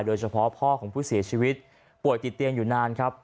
โดยเฉพาะพ่อของผู้เสียชีวิตป่วยติดเตียงอยู่นานครับ